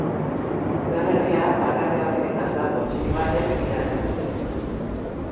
Udalerria alkate batek eta udal kontseilu batek gidatzen dute.